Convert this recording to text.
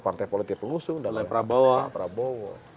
partai politik pengusung oleh prabowo